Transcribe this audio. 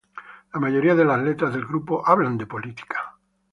La mayoría de las letras del grupo hablan de política.